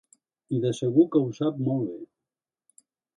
I de segur que ho sap molt bé.